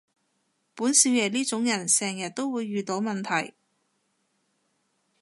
本少爺呢種人成日都會遇到問題